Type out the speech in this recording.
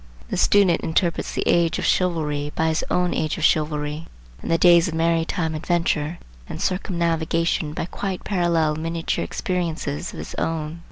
The student interprets the age of chivalry by his own age of chivalry, and the days of maritime adventure and circumnavigation by quite parallel miniature experiences of his own.